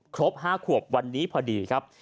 ครบ๕ขวบวันนี้พอดีครับ